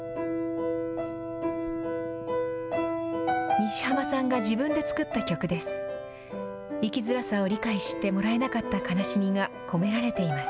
西濱さんが自分で作った曲です。